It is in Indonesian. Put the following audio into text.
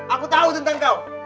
aku tahu tentang kau